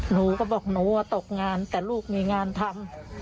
หนูก็บอกหนูว่าตกงานแต่ลูกมีงานทำ